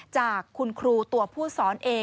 จากคุณครูตัวผู้สอนเอง